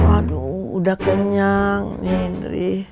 aduh udah kenyang indri